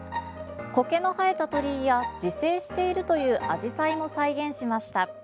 こけの生えた鳥居や自生しているというあじさいも再現しました。